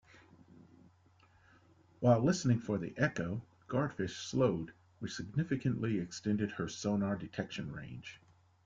While listening for the Echo, "Guardfish" slowed which significantly extended her sonar detection range.